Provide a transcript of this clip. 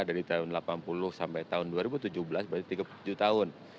dari tahun delapan puluh sampai tahun dua ribu tujuh belas berarti tiga puluh tujuh tahun